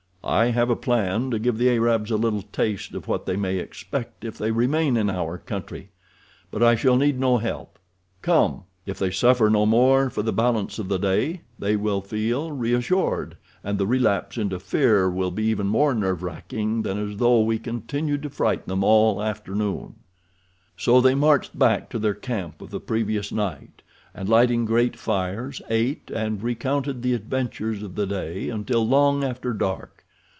I have a plan to give the Arabs a little taste of what they may expect if they remain in our country, but I shall need no help. Come! If they suffer no more for the balance of the day they will feel reassured, and the relapse into fear will be even more nerve racking than as though we continued to frighten them all afternoon." So they marched back to their camp of the previous night, and, lighting great fires, ate and recounted the adventures of the day until long after dark.